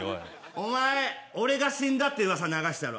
お前、俺が死んだってうわさ流したろ。